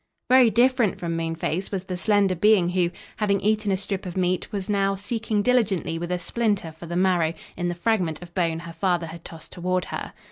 Very different from Moonface was the slender being who, having eaten a strip of meat, was now seeking diligently with a splinter for the marrow in the fragment of bone her father had tossed toward her.